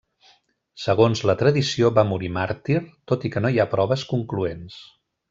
Segons la tradició va morir màrtir tot i que no hi ha proves concloents.